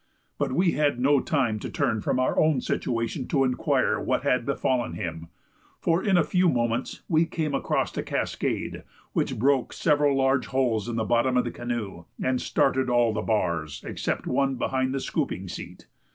But we had no time to turn from our own situation to inquire what had befallen him; for, in a few moments, we came across a cascade, which broke several large holes in the bottom of the canoe, and started all the bars, except one behind the scooping seat.